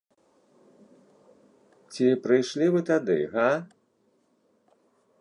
Ці прыйшлі вы тады, га?